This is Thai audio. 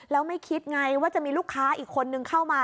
แล้วไม่คิดไงว่าจะมีลูกค้าอีกคนนึงเข้ามา